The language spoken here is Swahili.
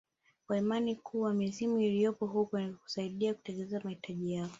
kwa imani kuwa mizimu iliyopo huko huwasaidia kutekeleza mahitaji yao